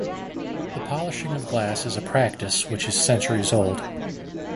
The polishing of glass is a practice, which is centuries old.